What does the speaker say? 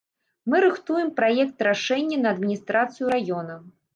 Мы рыхтуем праект-рашэнне на адміністрацыю раёна.